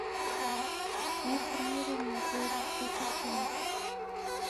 Neko na irumirio jepata chaghu.